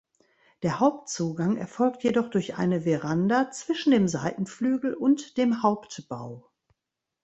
Der Hauptzugang erfolgt jedoch durch eine Veranda zwischen dem Seitenflügel und dem Hauptbau.